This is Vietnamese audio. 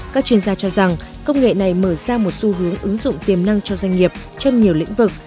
các chuyên gia cho rằng công nghệ này mở ra một xu hướng ứng dụng tiềm năng cho doanh nghiệp trong nhiều lĩnh vực